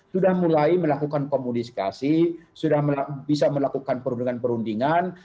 sudah mulai melakukan komunikasi sudah bisa melakukan perundingan perundingan